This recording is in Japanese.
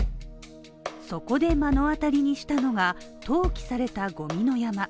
そこで目の当たりにしたのが投棄されたゴミの山。